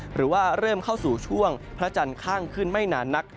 หรือว่าเริ่มเข้าสู่ช่วงพระจันทร์ข้างขึ้นไม่นานนัก